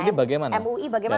mui bagaimana melihatnya